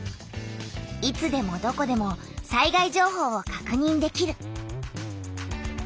いつでもどこでも災害情報をかくにんできる。